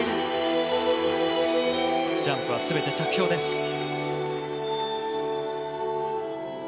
ジャンプは全て着氷です。